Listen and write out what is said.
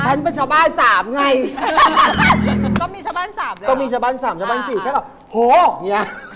จับปัน๓จับปัน๔แค่แบบโหเหี้ย